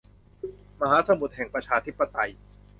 มหาสมุทรแห่งประชาธิปไตย